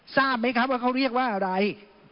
ทราบไหมครับว่าเขาเรียกว่าอะไร